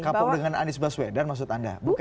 kapok dengan anies baswedar maksud anda bukan